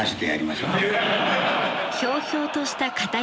ひょうひょうとした語り口。